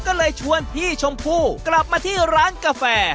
ก็เลยชวนพี่ชมพู่กลับมาที่ร้านกาแฟ